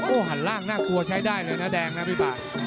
โอ้โหหันล่างน่ากลัวใช้ได้เลยนะแดงนะพี่ปาก